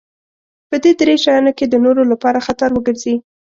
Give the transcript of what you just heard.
په دې درې شيانو کې د نورو لپاره خطر وګرځي.